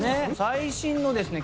最新のですね